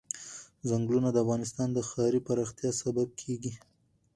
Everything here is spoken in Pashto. چنګلونه د افغانستان د ښاري پراختیا سبب کېږي.